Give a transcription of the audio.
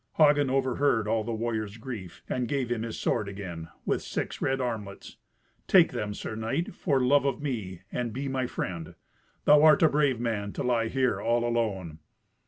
Hagen overheard all the warrior's grief, and gave him his sword again, with six red armlets. "Take them, Sir Knight, for love of me, and be my friend. Thou art a brave man to lie here all alone."